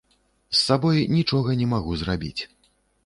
З сабой нічога не магу зрабіць.